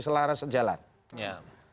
selaras jalan ya